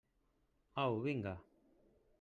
Au, vinga!